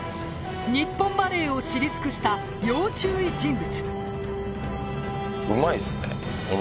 日本バレーを知り尽くした要注意人物。